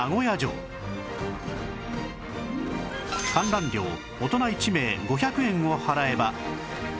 観覧料大人１名５００円を払えば